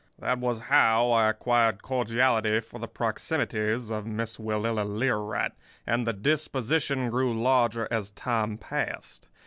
"That was how I acquired cordiality for the proximities of Miss Willella Learight; and the disposition grew larger as time passed.